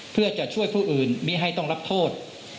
เพื่อจะช่วยผู้อื่นไม่ให้ต้องรับโทษ